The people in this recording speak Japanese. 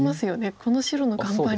この白の頑張り。